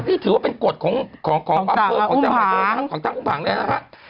ที่ถือว่าเป็นกฎของทางคุมผังเลยนะฮะ